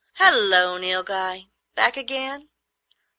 "Halloo, Nilghai. Back again?